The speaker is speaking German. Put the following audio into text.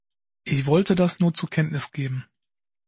Ich wollte das nur zur Kenntnis geben.